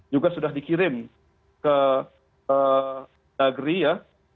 juga sudah dikirim ke dagri ya